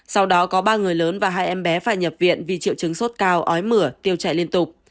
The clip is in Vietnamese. sau đó có ba người lớn và hai em bé phải nhập viện vì triệu chứng sốt cao ói mửa tiêu chảy liên tục